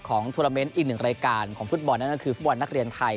โทรเมนต์อีกหนึ่งรายการของฟุตบอลนั่นก็คือฟุตบอลนักเรียนไทย